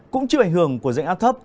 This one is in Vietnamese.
cũng chịu ảnh hưởng của dạng ác thấp